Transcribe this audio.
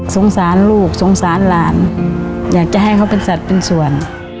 สงสารลูกสงสารหลานอยากจะให้เขาเป็นสัตว์เป็นส่วน